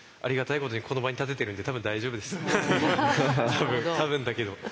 多分多分だけど。